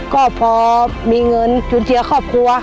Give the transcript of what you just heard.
ก็พอมีเงินจุนเจียครอบครัว